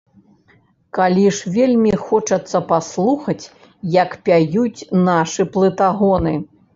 Калі ж вельмі хочацца паслухаць, як пяюць нашы плытагоны.